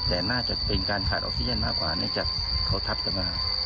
แต่น่าจะเป็นการขาดออฟเซียนมากกว่านี่จะเขาทับขึ้นมา